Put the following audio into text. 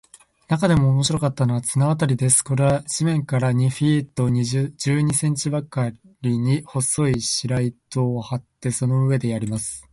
なかでも面白かったのは、綱渡りです。これは地面から二フィート十二インチばかりに、細い白糸を張って、その上でやります。